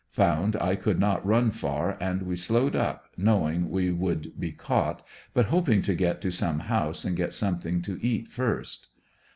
Found I could not run far and we slowed up, knowing we would be caught, but hoping to get to some house and get something to eat first.